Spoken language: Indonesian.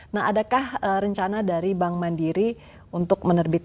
nah adakah rencana dari bank mandiri untuk mencapai ini